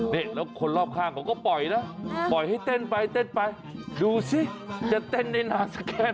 นี่แล้วคนรอบข้างเขาก็ปล่อยนะปล่อยให้เต้นไปเต้นไปดูสิจะเต้นได้นานสักแค่ไหน